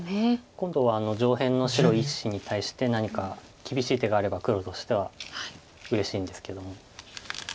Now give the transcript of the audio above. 今度は上辺の白１子に対して何か厳しい手があれば黒としてはうれしいんですけども。